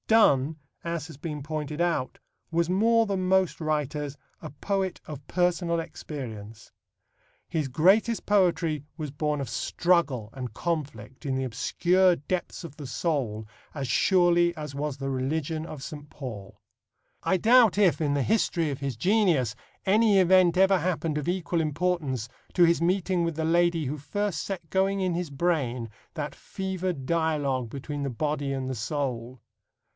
Donne, as has been pointed out, was more than most writers a poet of personal experience. His greatest poetry was born of struggle and conflict in the obscure depths of the soul as surely as was the religion of St. Paul. I doubt if, in the history of his genius, any event ever happened of equal importance to his meeting with the lady who first set going in his brain that fevered dialogue between the body and the soul.